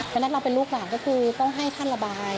และนักรับเป็นลูกหลังก็คือต้องให้ท่านระบาย